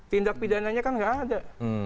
tindak pidananya kan nggak ada